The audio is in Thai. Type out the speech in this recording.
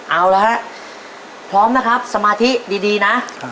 เอาละฮะพร้อมนะครับสมาธิดีนะ